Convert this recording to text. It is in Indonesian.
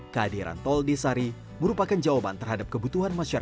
kehadiran tol desari merupakan jawaban terhadap kebutuhan masyarakat